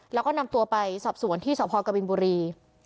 แล้วก็นำตัวไปสอบสวนที่สพกบินบุรี